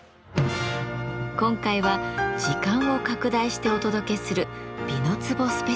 今回は時間を拡大してお届けする「美の壺スペシャル」。